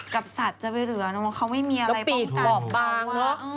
กับสัตว์จะเหลือน้องมันเขาไม่มีอะไรป้องกันหุ้มห์แล้วปีกบอบบางเนอะ